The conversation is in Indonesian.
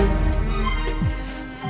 tentang tante tante